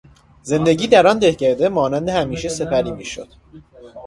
زندگی در آن دهکده مانند همیشه سپری میشد.